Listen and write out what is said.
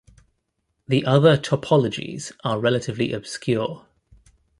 The other topologies are relatively obscure.